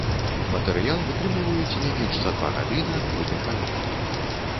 Матэрыял вытрымліваюць не менш за два гады на адкрытым паветры.